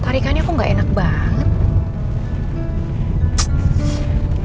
tarikannya kok gak enak banget